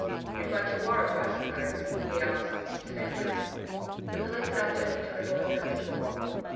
'You've got your warrant, I suppose,' he asked incidentally. The Police Sergeant looked a little uncomfortable.